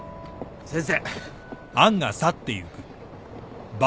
先生。